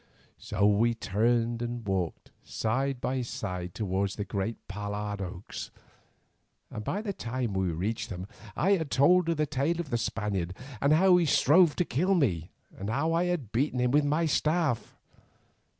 So we turned and walked side by side towards the great pollard oaks, and by the time that we reached them, I had told her the tale of the Spaniard, and how he strove to kill me, and how I had beaten him with my staff.